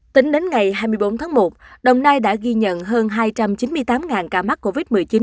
tính đến ngày hai mươi bốn tháng một đồng nai đã ghi nhận hơn hai trăm chín mươi tám ca mắc covid một mươi chín